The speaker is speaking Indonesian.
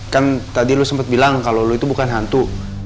kan tadi lo sempat bilang kalau lo itu bukan hantu